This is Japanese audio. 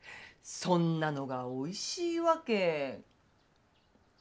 そんなのがおいしいわけ。